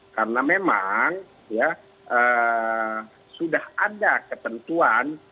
karena memang sudah ada ketentuan